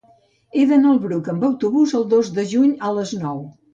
He d'anar al Bruc amb autobús el dos de juny a les nou.